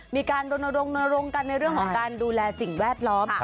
มีการรณรงค์กันในเรื่องของการดูแลสิ่งแวดล้อม